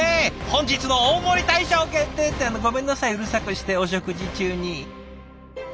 本日の大盛り大賞決定！ってごめんなさいうるさくしてお食事中に。